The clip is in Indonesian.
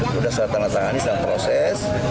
sudah setengah setengah ini sedang proses